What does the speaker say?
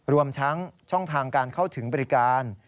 รวมทั้งช่องทางการเข้าถึงบริการ